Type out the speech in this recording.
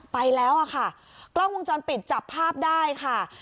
ไปแล้วอะค่ะกล้องวงจรปิดจับภาพได้ค่ะ